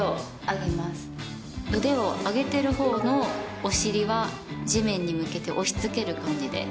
腕を上げてる方のお尻は地面に向けて押し付ける感じで。